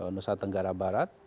nusa tenggara barat